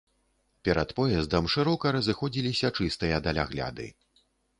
Перад поездам шырока разыходзіліся чыстыя далягляды.